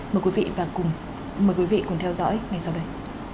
mời quý vị và cùng mời quý vị cùng theo dõi ngay sau đây